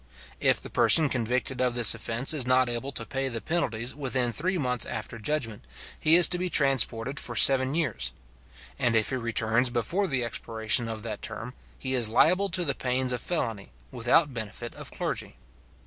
If the person convicted of this offence is not able to pay the penalties within three months after judgment, he is to be transported for seven years; and if he returns before the expiration of that term, he is liable to the pains of felony, without benefit of clergy.